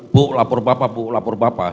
ibu lapor bapak ibu lapor bapak